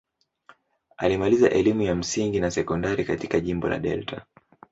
Alimaliza elimu ya msingi na sekondari katika jimbo la Delta.